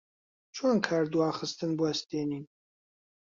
چۆن کاردواخستن بوەستێنین؟